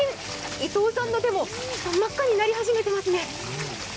伊藤さんの手も真っ赤になり始めていますね。